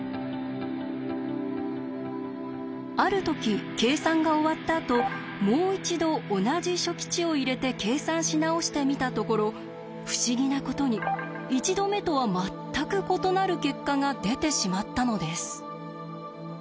ある時計算が終わったあともう一度同じ初期値を入れて計算し直してみたところ不思議なことに１度目とは全く異なる結果が出てしまったのです。